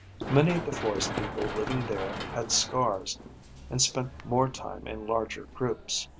Many of the forest people living there had scars and spent more time in larger groups.)